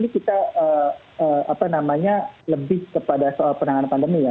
kita lebih kepada soal penanganan pandemi ya